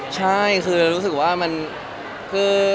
แล้วถ่ายละครมันก็๘๙เดือนอะไรอย่างนี้